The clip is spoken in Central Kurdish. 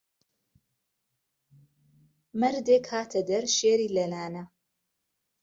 مەردێک هاته دهر شێری له لانه